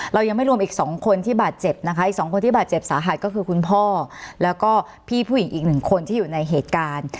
เรายังไม่รวมอีก๒คนที่บาดเจ็บนะคะอีก๒คนที่บาดเจ็บสาหัสก็คือคุณพ่อแล้วก็พี่ผู้หญิงอีกหนึ่งคนที่อยู่ในเหตุการณ์